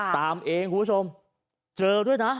ตามเองคุณผู้ชมเจอด้วยนะ